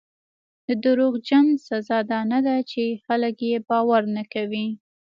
د دروغجن سزا دا نه ده چې خلک یې باور نه کوي.